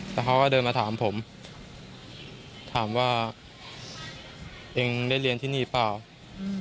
แล้วเขาก็เดินมาถามผมถามว่าได้เรียนที่นี่หรือเปล่า